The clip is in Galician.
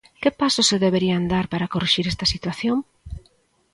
Que pasos se deberían dar para corrixir esa situación?